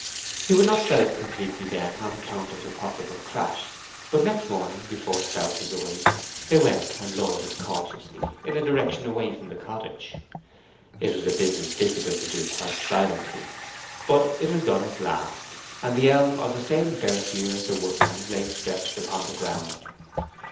He would not fell it completely then, on account of the possible crash, but next morning, before South was awake, they went and lowered it cautiously, in a direction away from the cottage. It was a business difficult to do quite silently; but it was done at last, and the elm of the same birth year as the woodman's lay stretched upon the ground.